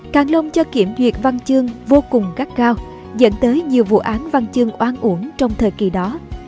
càng long cho kiểm duyệt văn chương vô cùng gắt gao dẫn tới nhiều vụ án văn chương oan uổng trong thời kỳ đó